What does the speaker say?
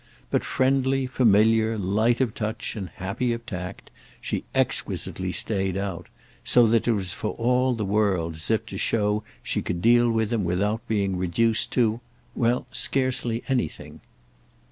But, friendly, familiar, light of touch and happy of tact, she exquisitely stayed out; so that it was for all the world as if to show she could deal with him without being reduced to—well, scarcely anything.